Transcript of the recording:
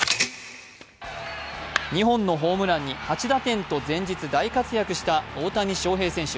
２本のホームランに８打点と前日大活躍した大谷翔平選手。